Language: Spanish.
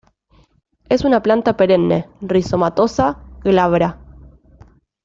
Es una planta perenne, rizomatosa, glabra.